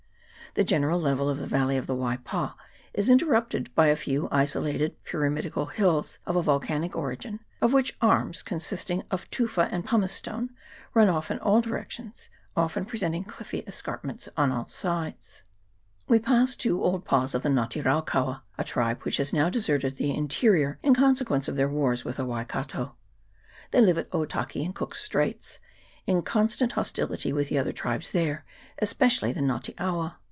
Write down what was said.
The general level of the valley of the Waipa is interrupted by a few isolated pyramidical hills of a volcanic origin, of which arms, consisting of tufa and pumicestone, run off in all directions, often presenting cliffy escarpments on the sides. We passed two old pas of the Nga te raukaua, a tribe which has now deserted the interior in consequence of their wars with the Wai kato. They live at Otaki, in Cook's Straits, inc on stant hostility with the other tribes there, especially the Nga te awa.